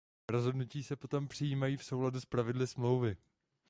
Rozhodnutí se potom přijímají v souladu s pravidly smlouvy.